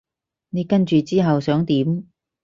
你跟住之後想點？